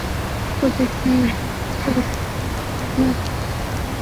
প্রতিষ্ঠানের বিশেষজ্ঞ চিকিৎসকেরা সকাল নয়টা থেকে বেলা একটা পর্যন্ত রোগীদের চিকিৎসা দেন।